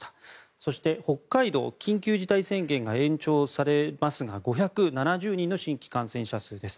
そして、北海道緊急事態宣言が延長されますが５７０人の新規感染者数です。